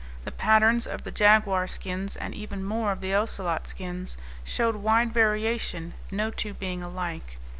The patterns of the jaguar skins, and even more of the ocelot skins, showed wide variation, no two being alike.